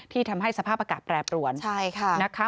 ที่ทำให้สภาพอากาศแปรปรวนนะคะมันเป็นสิ่งที่สำคัญนะครับ